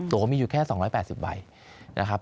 ตัวมีอยู่แค่๒๘๐ใบ